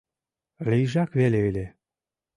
Лийжак веле ыле!